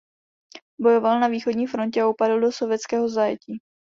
Bojoval na východní frontě a upadl do sovětského zajetí.